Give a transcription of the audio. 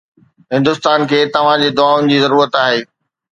هندستان کي توهان جي دعائن جي ضرورت آهي